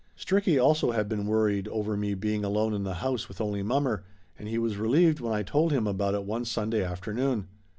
Stricky also had been worried over me being alone in the house with only mommer, and he was re lieved when I told him about it one Sunday afternoon.